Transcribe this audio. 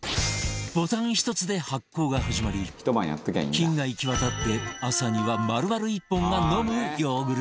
ボタン１つで発酵が始まり菌が行き渡って朝には丸々一本が飲むヨーグルトに